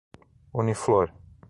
Uniflor